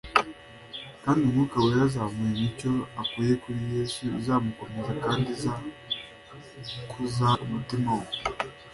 kandi Umwuka wera azamuha imicyo akuye kuri Yesu, izamukomeza kandi izakuza umutima we.